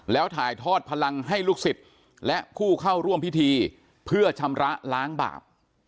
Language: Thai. แล้วถ่ายทอดพลังให้ลูกศิษย์และผู้เข้าร่วมพิธีเพื่อชำระล้างบาป